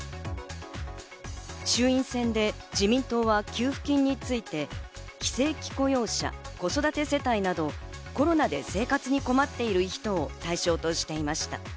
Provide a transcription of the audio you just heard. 衆院選で自民党は給付金について、非正規雇用者、子育て世帯などコロナで生活に困っている人を対象としていました。